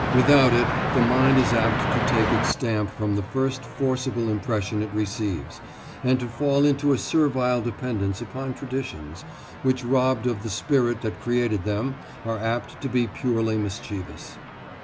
Without it the mind is apt to take its stamp from the first forcible impression it receives, and to fall into a servile dependence upon traditions, which, robbed of the spirit that created them, are apt to be purely mischievous.